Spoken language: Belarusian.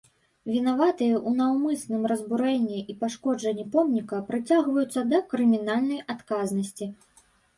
Вінаватыя ў наўмысным разбурэнні і пашкоджанні помніка прыцягваюцца да крымінальнай адказнасці.